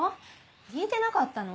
聞いてなかったの？